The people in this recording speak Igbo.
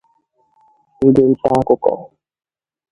ndị nta akụkọ